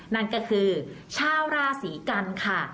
นั่นก็คือชาวราศีกันค่ะ